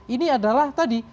ini adalah tadi